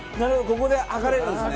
ここで測れるんですね！